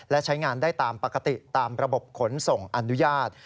และใช้งานได้ตามปกติตามระบบขนส่งอนุญาต